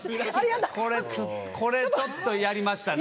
これちょっとやりましたね